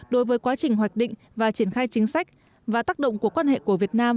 đối với quá trình hoạch định và triển khai chính sách và tác động của quan hệ của việt nam